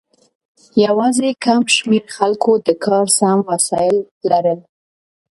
یوازې کم شمیر خلکو د کار سم وسایل لرل.